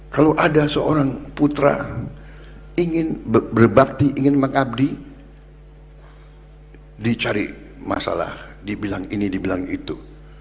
kalau ada seorang putra ingin berbakti ingin mengabdi dicari masalah dibilang ini dibilang itu